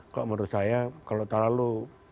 kalau menurut saya kalau terlalu